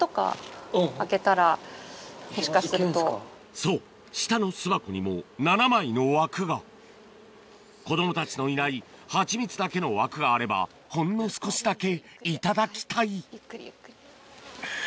そう下の巣箱にも７枚の枠が子供たちのいないハチミツだけの枠があればほんの少しだけいただきたいゆっくりゆっくり。